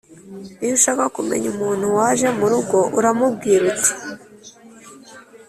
Iyo ushaka kumenya umuntu waje mu rugo uramubwira uti